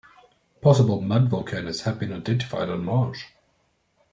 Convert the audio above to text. Possible mud volcanoes have been identified on Mars.